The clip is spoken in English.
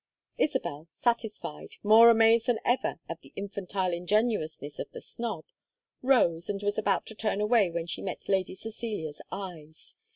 Isabel, satisfied, more amazed than ever at the infantile ingenuousness of the snob, rose, and was about to turn away when she met Lady Cecilia's eyes.